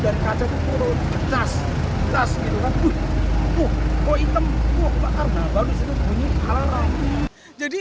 dari kaca turun kecas kecas gitu kan uh kok item kok bakar baru bunyi ala ala jadi